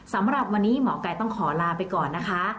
สำหรับวันนี้หมอกัยต้องขอลาไปก่อนนะคะ